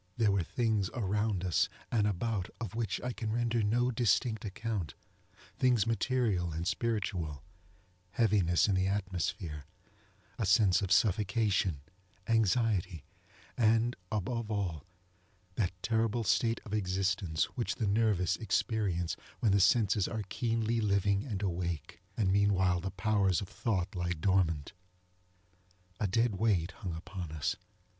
There were things around us and about of which I can render no distinct accountŌĆöthings material and spiritualŌĆöheaviness in the atmosphereŌĆöa sense of suffocationŌĆöanxietyŌĆöand, above all, that terrible state of existence which the nervous experience when the senses are keenly living and awake, and meanwhile the powers of thought lie dormant. A dead weight hung upon us.